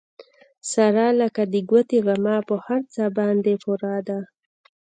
ساره لکه د ګوتې غمی په هر څه باندې پوره ده.